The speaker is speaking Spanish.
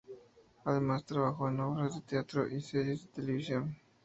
Además trabajó en obras de teatro y series de televisión.